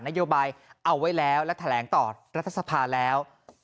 นโยบายเอาไว้แล้วและแถลงต่อรัฐสภาแล้ว